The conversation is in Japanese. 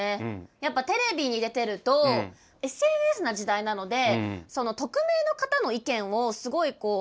やっぱテレビに出てるとＳＮＳの時代なので匿名の方の意見をすごい入ってくることが多いんですよ。